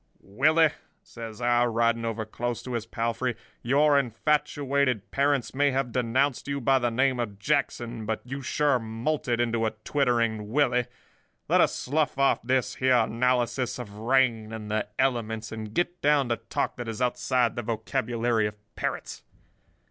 "'Willie,' says I, riding over close to his palfrey, 'your infatuated parents may have denounced you by the name of Jackson, but you sure moulted into a twittering Willie—let us slough off this here analysis of rain and the elements, and get down to talk that is outside the vocabulary of parrots.